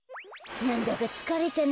なんだかつかれたな。